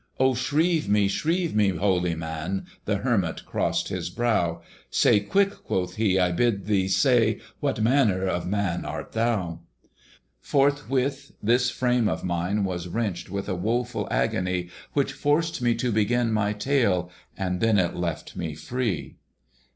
"O shrieve me, shrieve me, holy man!" The Hermit crossed his brow. "Say quick," quoth he, "I bid thee say What manner of man art thou?" Forthwith this frame of mine was wrenched With a woeful agony, Which forced me to begin my tale; And then it left me free.